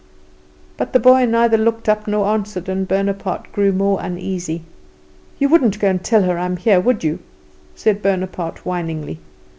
But the boy neither looked up nor answered, and Bonaparte grew more uneasy. "You wouldn't go and tell her that I am here, would you?" said Bonaparte, whiningly.